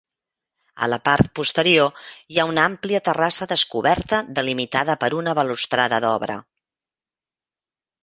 A la part posterior hi ha una àmplia terrassa descoberta delimitada per una balustrada d'obra.